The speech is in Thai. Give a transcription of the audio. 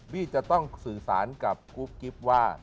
จะต้องสื่อสารกับกุ๊บกิ๊บว่า